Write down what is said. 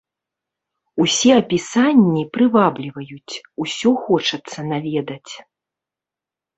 Усе апісанні прывабліваюць, усё хочацца наведаць.